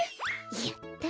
やった！